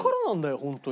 ホントに。